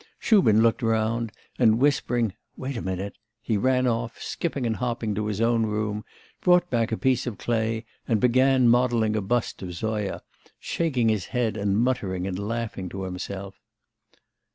Shubin looked round, and, whispering 'Wait a minute!' he ran off, skipping and hopping to his own room, brought back a piece of clay, and began modelling a bust of Zoya, shaking his head and muttering and laughing to himself.